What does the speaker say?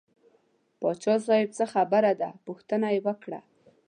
پاچا صاحب څه خبره ده پوښتنه یې وکړه.